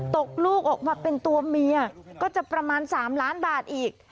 ตกลูกออกมาเป็นตัวเมียก็จะประมาณ๓ล้านบาทอีก